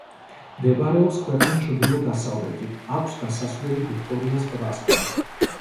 მდებარეობს ქვეყნის ჩრდილო-დასავლეთით, აქვს გასასვლელი ვიქტორიას ტბასთან.